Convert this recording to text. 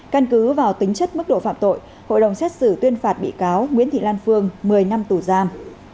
căn cứ vào tính chất mức độ phạm tội hội đồng xét xử tuyên phạt bị cáo nguyễn thị lan phương một mươi năm tù giam